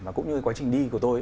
và cũng như quá trình đi của tôi